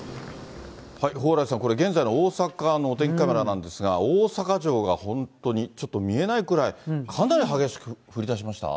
蓬莱さん、これ、現在の大阪のお天気カメラなんですが、大阪城が、本当にちょっと見えないくらい、かなり激しく降りだしました？